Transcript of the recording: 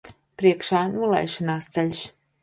Priekšā nolaišanās ceļš.